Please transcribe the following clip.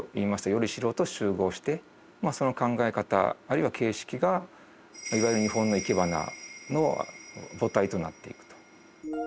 依り代と習合してその考え方あるいは形式がいわゆる日本のいけばなの母体となっていくと。